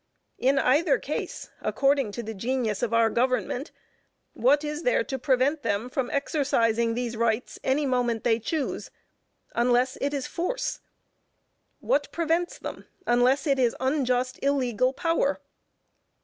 In either case, according to the genius of our government, what is there to prevent them from exercising these rights any moment they choose, unless it is force? What prevents them unless it is unjust illegal power?